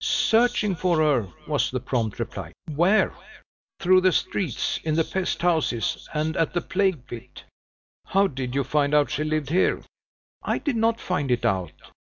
"Searching for her," was the prompt reply. "Where?" "Through the streets; in the pest houses, and at the plague pit." "How did you find out she lived here?" "I did not find it out.